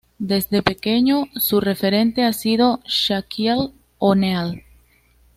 Desde pequeño, su referente ha sido Shaquille O´neal.